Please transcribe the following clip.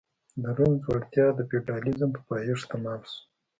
د روم ځوړتیا د فیوډالېزم په پایښت تمام شو.